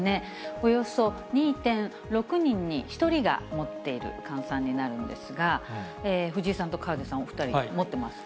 およそ２．６人に１人が持っている換算になるんですが、藤井さんと河出さん、お２人、持ってますか？